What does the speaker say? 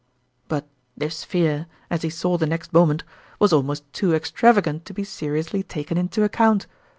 But this fear, as he saw the next moment, was almost too extravagant to be seriously taken into account.